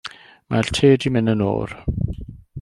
Mae'r te 'di mynd yn oer.